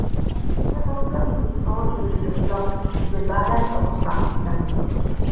He eventually resorted to the flop "The Ballad of Frank Spencer".